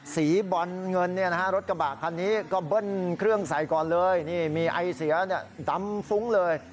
สีบอลเงินรถกระบะคันนี้ก็เบิ้ลเครื่องใส่ก่อนเลยนี่มีไอเสียดำฟุ้งเลย